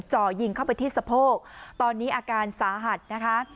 จ่อยิงเข้าไปที่สะโพกตอนนี้อาการสาหัสนะคะ